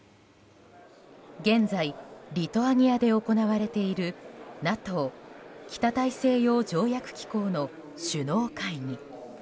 現在リトアニアで行われているＮＡＴＯ・北大西洋条約機構の首脳会議。